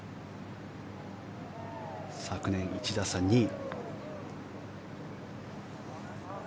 昨年１打差、２位。